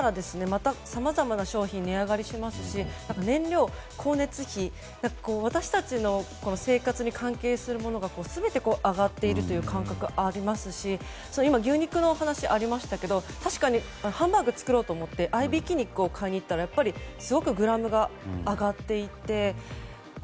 また、さまざまな商品が値上がりしますし燃料、光熱費私たちの生活に関係するものが全て上がっているという感覚がありますし今、牛肉のお話がありましたけど確かにハンバーグを作ろうと思って合いびき肉を買いに行ったらすごくグラムが上がっていて。